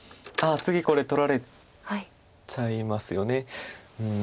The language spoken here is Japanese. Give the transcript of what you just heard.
次これ取られちゃいますよねうん。